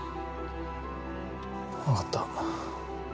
分かった。